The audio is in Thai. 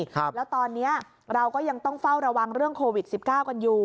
แล้วตอนนี้เราก็ยังต้องเฝ้าระวังเรื่องโควิดสิบเก้ากันอยู่